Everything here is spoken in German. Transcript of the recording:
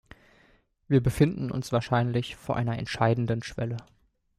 Wir befinden uns wahrscheinlich vor einer entscheidenden Schwelle.